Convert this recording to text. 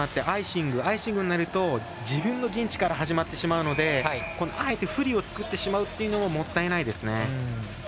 アイシングになると自分の陣地から始まってしまうのであえて不利を作ってしまうというのももったいないですね。